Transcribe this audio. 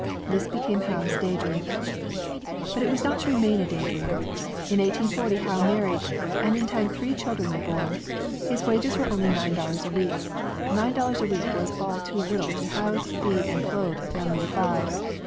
This became Howe's daydream. But it was not to remain a daydream. In 1840 Howe married, and in time three children were born. His wages were only nine dollars a week. Nine dollars a week was all too little to house, feed, and clothe a family of five.